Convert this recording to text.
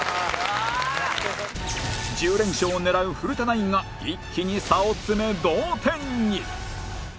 １０連勝を狙う古田ナインが一気に差を詰め同点に